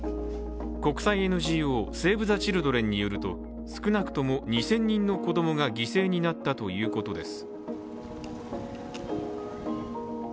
国際ＮＧＯセーブ・ザ・チルドレンによると少なくとも２０００人の子供が犠牲になったということです。